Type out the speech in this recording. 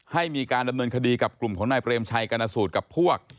ให้มีการดำเนินคดีกับกลุ่มของนายเปรมชัยกรณสูตรกับพวก